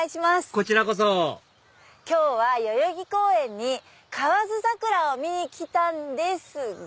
こちらこそ今日は代々木公園に河津桜を見に来たんですが。